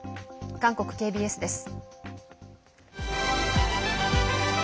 韓国ＫＢＳです。